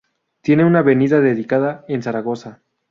Tiene una avenida dedicada en Zaragoza.